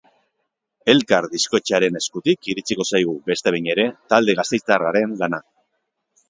Elkar diskoetxearen eskutik iritsiko zaigu, beste behin ere, talde gasteiztarraren lana.